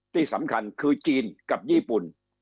ที่สำคัญคือจีนกับญี่ปุ่น